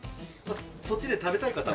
そっちで食べたい方は。